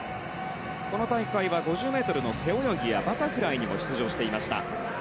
この大会は５０ｍの背泳ぎやバタフライにも出場していました。